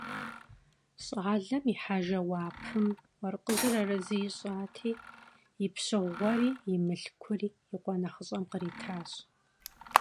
ЩӀалэм ихьа жэуапым уэркъыжьыр арэзы ищӀати, и пщыгъуэри и мылъкури и къуэ нэхъыщӀэм къритащ.